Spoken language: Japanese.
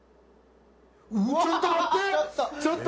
うわっ！